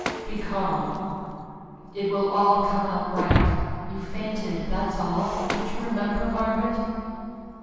"Be calm. It will all come out right. You fainted, that's all. Don't you remember, Margaret?"